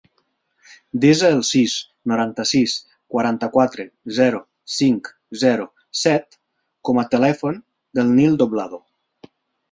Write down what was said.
Desa el sis, noranta-sis, quaranta-quatre, zero, cinc, zero, set com a telèfon del Nil Doblado.